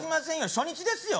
初日ですよ